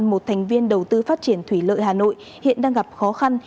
một thành viên đầu tư phát triển thủy lợi hà nội hiện đang gặp khó khăn